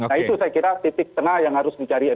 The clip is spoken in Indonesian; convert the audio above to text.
nah itu saya kira titik tengah yang harus dicari